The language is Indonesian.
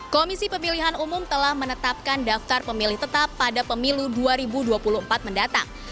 komisi pemilihan umum telah menetapkan daftar pemilih tetap pada pemilu dua ribu dua puluh empat mendatang